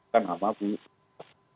kan nama bumega